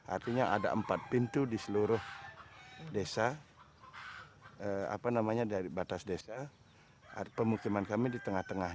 artinya ada empat pintu di seluruh desa dari batas desa pemukiman kami di tengah tengah